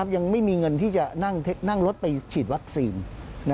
ยังไม่มีเงินที่จะนั่งรถไปฉีดวัคซีน